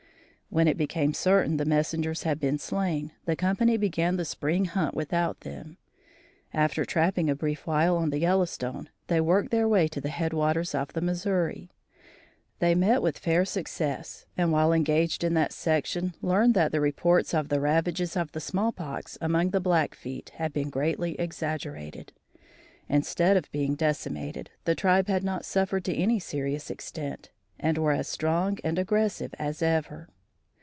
When it became certain the messengers had been slain, the company began the spring hunt without them. After trapping a brief while on the Yellowstone, they worked their way to the head waters of the Missouri. They met with fair success and while engaged in that section, learned that the reports of the ravages of the small pox among the Blackfeet had been greatly exaggerated. Instead of being decimated, the tribe had not suffered to any serious extent and were as strong and aggressive as ever.